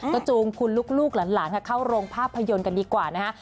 ก็จูงคุณลูกหลานเข้าโรงภาพยนตร์กันดีกว่านะฮะ